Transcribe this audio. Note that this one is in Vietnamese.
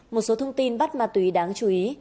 một số thông tin bắt ma túy đáng chú ý